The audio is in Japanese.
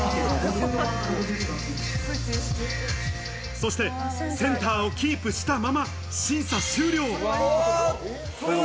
そして、センターをキープしたまま審査終了。